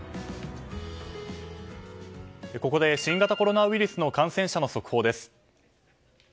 ここで新型コロナウイルスの感染者の速報です。